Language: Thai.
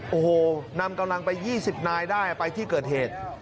โอ้โหนำกำลังไป๒๐นายได้ไปที่เกิดเหตุ